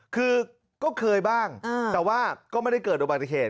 คือก็เคยบ้างแต่ว่าก็ไม่ได้เกิดอุบัติเหตุ